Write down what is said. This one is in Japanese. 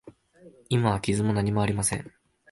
今は傷も何もありません。